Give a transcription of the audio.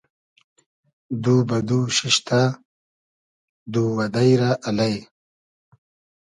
دو بۂ دو شیشتۂ دووئدݷ رۂ الݷ